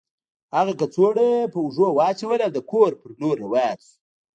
هغه کڅوړه په اوږه واچوله او د کور په لور روان شو